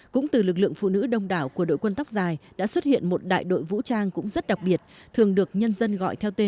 cũng từ lực lượng phụ nữ đông đảo của đội quân tóc dài đã xuất hiện một đại đội vũ trang cũng rất đặc biệt